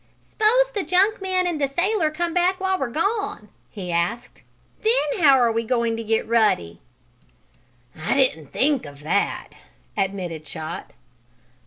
"S'posin' the junk man and the sailor come back while we're gone?" he asked. "Then how we going to get Ruddy?" "I didn't think of that," admitted Chot.